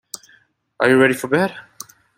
Are you ready for bed?